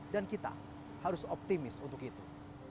dan kita harus optimis untuk itu